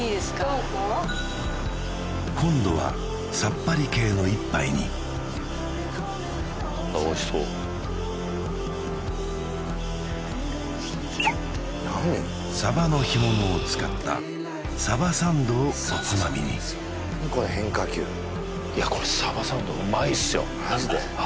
どうぞ今度はさっぱり系の一杯においしそうサバの干物を使ったサバサンドをおつまみに何この変化球サバサンドうまいっすよマジで？